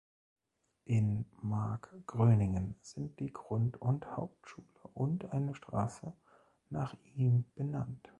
In Markgröningen sind die Grund- und Hauptschule und eine Straße nach ihm benannt.